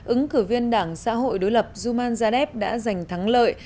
ứng cử viên đảng xã hội đối lập zuman zadev đã giành thắng lợi